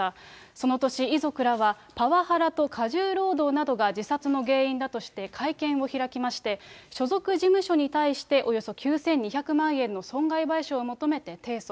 その年、遺族らは、パワハラと過重労働などが自殺の原因だとして会見を開きまして、所属事務所に対して、およそ９２００万円の損害賠償を求めて提訴。